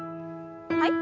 はい。